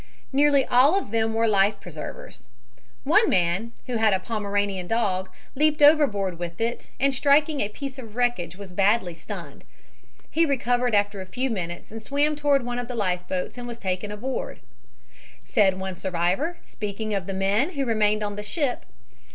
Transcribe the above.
Nearly all of them wore life preservers. One man, who had a Pomeranian dog, leaped overboard with it and striking a piece of wreckage was badly stunned. He recovered after a few minutes and swam toward one of the life boats and was taken aboard. Said one survivor, speaking of the men who remained on the ship.